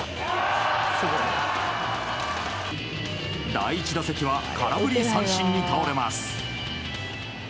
第１打席は空振り三振に倒れます。